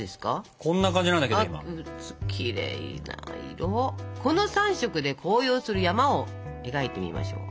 この３色で紅葉する山を描いてみましょう。